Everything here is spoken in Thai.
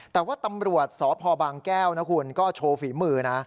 แต่ว่าตำรวจสพบางแก้วนะคุณก็โชว์ฝีมือนะ